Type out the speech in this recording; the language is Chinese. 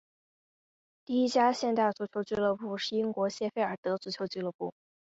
第一家现代足球俱乐部是英国谢菲尔德足球俱乐部。